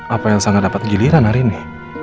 apa yelza gak dapat giliran hari ini